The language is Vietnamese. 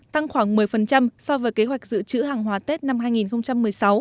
tăng khoảng một mươi so với kế hoạch giữ chữ hàng hóa tết năm hai nghìn một mươi sáu